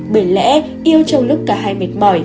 bởi lẽ yêu trong lúc cả hai mệt mỏi